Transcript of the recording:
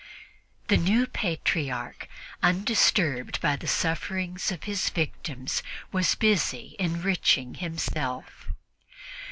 The new Patriarch, undisturbed by the sufferings of his victims, was busy enriching himself.